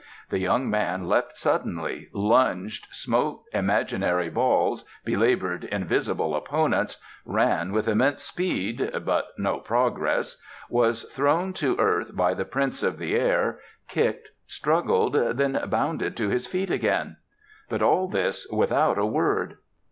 The young man leapt suddenly, lunged, smote imaginary balls, belaboured invisible opponents, ran with immense speed but no progress, was thrown to earth by the Prince of the Air, kicked, struggled, then bounded to his feet again. But all this without a word.